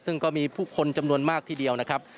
ซึ่งก็มีผู้คนจำนวนมากทีเดียวนะครับ